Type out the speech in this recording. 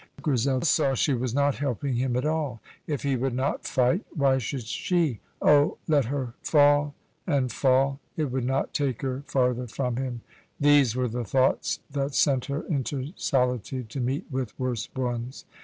Grizel saw she was not helping him at all. If he would not fight, why should she? Oh, let her fall and fall, it would not take her farther from him! These were the thoughts that sent her into solitude, to meet with worse ones.